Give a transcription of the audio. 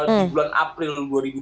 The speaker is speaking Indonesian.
di bulan april dua ribu dua puluh